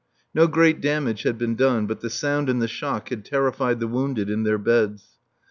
No great damage had been done, but the sound and the shock had terrified the wounded in their beds.